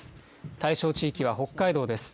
対象地域は北海道です。